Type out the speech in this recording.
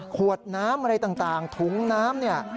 ขวดน้ำอะไรต่างถุงน้ำ